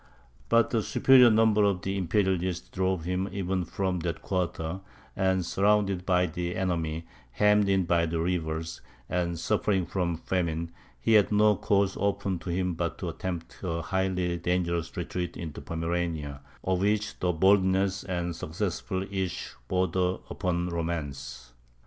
But the superior number of the Imperialists drove him even from that quarter; and, surrounded by the enemy, hemmed in by rivers, and suffering from famine, he had no course open to him but to attempt a highly dangerous retreat into Pomerania, of which, the boldness and successful issue border upon romance.